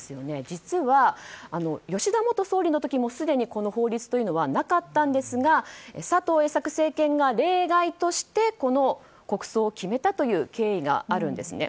実は、吉田元総理の時もすでにこの法律というのはなかったんですが佐藤栄作政権が例外としてこの国葬を決めたという経緯があるんです。